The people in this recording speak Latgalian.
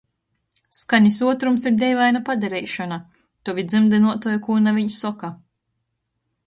Skanis uotrums ir deivaina padareišona. Tovi dzymdynuotuoji kū naviņ soka.